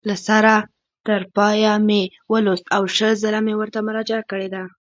له سره تر پایه مې ولوست او شل ځله مې ورته مراجعه کړې ده.